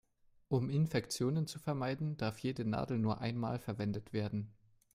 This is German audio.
Um Infektionen zu vermeiden, darf jede Nadel nur einmal verwendet werden.